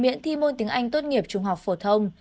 miễn thi môn tiếng anh tốt nghiệp trung học phổ thông